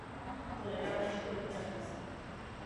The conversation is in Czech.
Vyrůstal v Kansasu a v Chicagu.